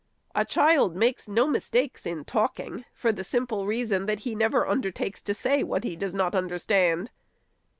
A child makes no mistakes in talking, for the simple reason, that he never undertakes to say what he does not understand.